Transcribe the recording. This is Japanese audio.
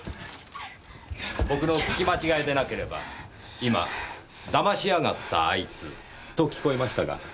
僕の聞き間違いでなければ今「騙しやがったあいつ」と聞こえましたが。